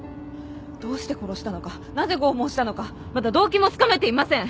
どうして殺したのかなぜ拷問したのかまだ動機もつかめていません。